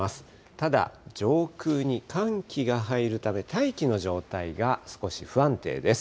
ただ、上空に寒気が入るため、大気の状態が少し不安定です。